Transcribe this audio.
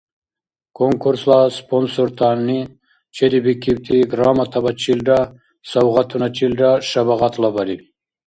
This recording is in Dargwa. Конкурсла спонсортани чедибикибти грамотабачилра савгъатуначилра шабагъатлабариб.